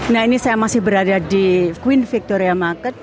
nah ini saya masih berada di queen victoria market